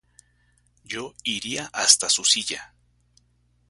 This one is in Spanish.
Yo iría hasta su silla.